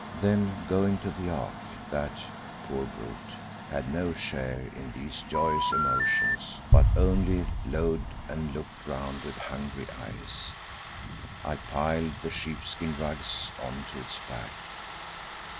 Then going to the yak that, poor brute, had no share in these joyous emotions but only lowed and looked round with hungry eyes, I piled the sheepskin rugs on to its back.